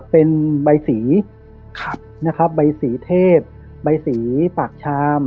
เป็นใบสีนะครับใบสีเทพใบสีปากชาม